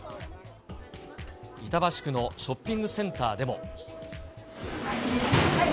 板橋区のショッピングセンターでも。